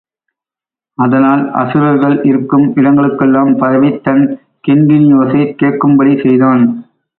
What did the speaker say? அதனால் அசுரர்கள் இருக்கும் இடங்களுக்கெல்லாம் பரவித் தன் கிண்கிணியோசை கேட்கும்படி செய்தான்.